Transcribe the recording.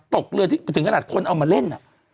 ตกเรือที่ถึงขนาดคนเอามาเล่น